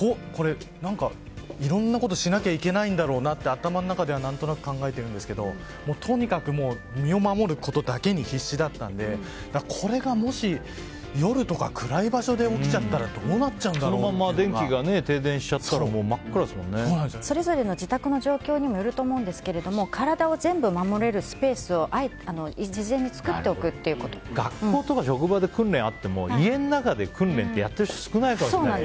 いろんなことしなきゃいけないんだろうなって頭の中で何となく考えてるんですけどとにかく身を守ることだけに必死だったのでこれがもし夜とか暗い場所で起きちゃったらそのまま停電しちゃったらそれぞれの自宅の状況にもよると思うんですけども体を全部守れるスペースを学校や職場で訓練があっても家の中で訓練ってやってる人少ないかもしれない。